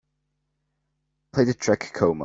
Play the track Coma